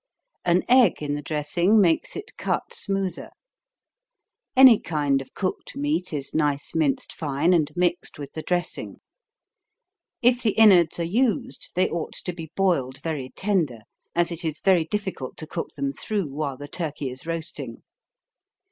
An egg in the dressing, makes it cut smoother. Any kind of cooked meat is nice minced fine, and mixed with the dressing. If the inwards are used, they ought to be boiled very tender, as it is very difficult to cook them through while the turkey is roasting.